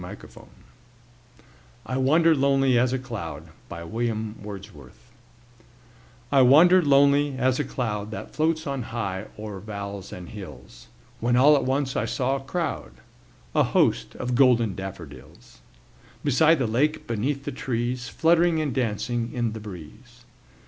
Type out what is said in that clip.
William Wordsworth I Wandered Lonely As a Cloud I WANDERED lonely as a cloud That floats on high o'er vales and hills, When all at once I saw a crowd, A host, of golden daffodils; Beside the lake, beneath the trees, Fluttering and dancing in the breeze.